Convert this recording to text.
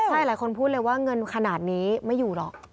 ใช่หลายคนพูดเลยว่าเงินขนาดนี้ไม่อยู่หรอก